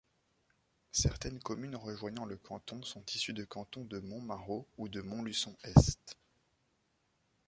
Certaines communes rejoignant le canton sont issues des cantons de Montmarault ou de Montluçon-Est.